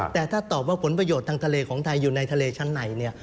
แต่ถ้าตอบว่าผลประโยชน์ทางทะเลของไทยอยู่ในทะเลชั้นในเนี่ย